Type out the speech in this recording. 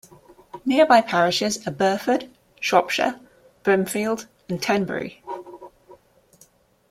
Nearby parishes are Burford, Shropshire, Brimfield and Tenbury.